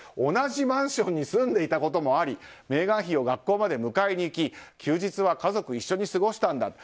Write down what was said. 同じマンションに住んでいたこともありメーガン妃を学校に迎えに行き休日は家族一緒に過ごしたんだ。